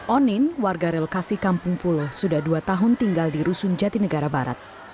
onin warga relokasi kampung pulo sudah dua tahun tinggal di rusun jatinegara barat